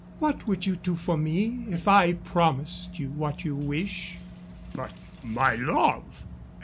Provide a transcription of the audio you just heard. "What would you do for me if I promised you what you wish?" "By my love!